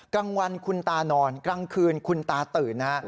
กลางวันคุณตานอนกลางคืนคุณตาตื่นนะฮะ